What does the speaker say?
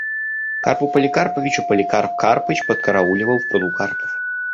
Карпу Поликарповичу Поликарп Карпыч подкарауливал в пруду карпов.